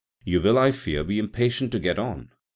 You will, I fear, be impatient to get on.